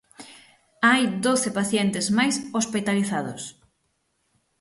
Hai doce pacientes máis hospitalizados.